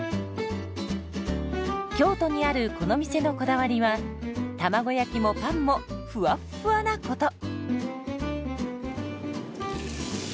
京都にあるこの店のこだわりは卵焼きもパンもふわっふわなこと。